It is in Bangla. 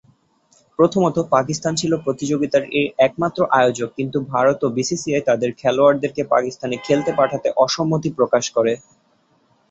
প্রথমত: পাকিস্তান ছিল প্রতিযোগিতাটির একমাত্র আয়োজক কিন্তু ভারত ও বিসিসিআই তাদের খেলোয়াড়দেরকে পাকিস্তানে খেলতে পাঠাতে অসম্মতি প্রকাশ করে।